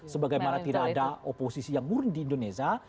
sebagaimana tidak ada oposisi yang murni di indonesia